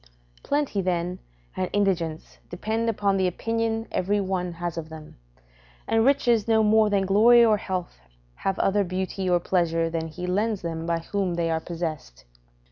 Plenty, then, and indigence depend upon the opinion every one has of them; and riches no more than glory or health have other beauty or pleasure than he lends them by whom they are possessed.